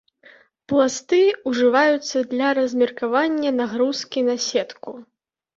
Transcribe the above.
Пласты ўжываюцца для размеркавання нагрузкі на сетку.